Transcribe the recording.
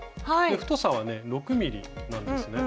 太さはね６．０ｍｍなんですね。